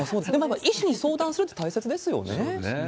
医師に相談するって大切ですそうですね。